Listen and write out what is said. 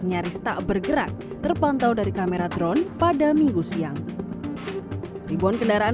nyaris tak bergerak terpantau dari kamera drone pada minggu siang ribuan kendaraan